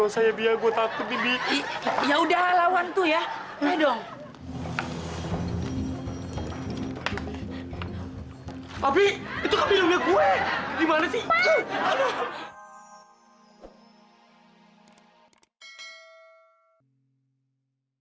saya biar gue takut nih ya udah lawan tuh ya hai dong tapi itu kebinaan gue gimana sih